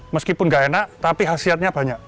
meskipun gak enak tapi khasiatnya banyak